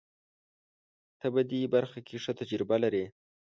ته په دې برخه کې ښه تجربه لرې.